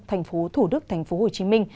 tp thủ đức tp hcm